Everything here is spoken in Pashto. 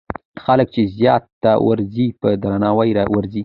خلک چې زیارت ته ورځي، په درناوي ورځي.